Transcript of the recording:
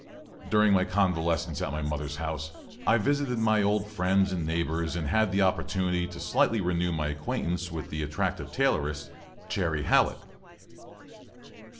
During my convalescence at my mother's house, I visited my old friends and neighbors and had the opportunity to slightly renew my acquaintance with the attractive tailoress, "Chairy" Hallett.